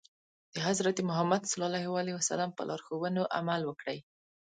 د حضرت محمد ص په لارښوونو عمل وکړي.